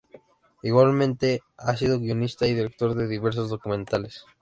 Igualmente, ha sido guionista y director de diversos documentales.